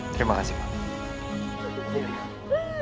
terima kasih pak